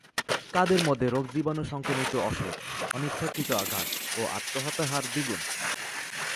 কাদের মধ্যে রোগজীবাণু সংক্রমিত অসুখ, অনিচ্ছাকৃত আঘাত ও আত্মহত্যার হার দ্বিগুণ?